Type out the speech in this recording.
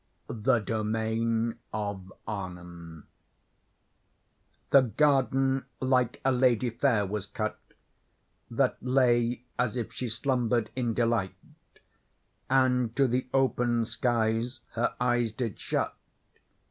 THE DOMAIN OF ARNHEIM The garden like a lady fair was cut, That lay as if she slumbered in delight, And to the open skies her eyes did shut.